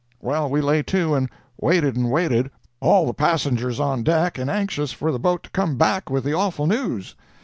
Well, we lay to and waited and waited—all the passengers on deck and anxious for the boat to come back with the awful news.